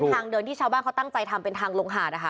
ทางเดินที่ชาวบ้านเขาตั้งใจทำเป็นทางลงหาดนะคะ